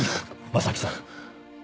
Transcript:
正木さん。